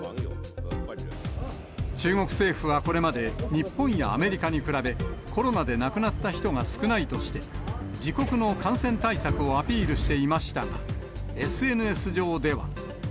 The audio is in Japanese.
中国政府はこれまで、日本やアメリカに比べ、コロナで亡くなった人が少ないとして、自国の感染対策をアピールしていましたが、ＳＮＳ上では。